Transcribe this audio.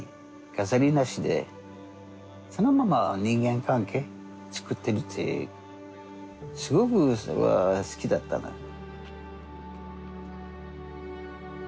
飾りなしでそのまま人間関係つくってるってすごくそれは好きだったの。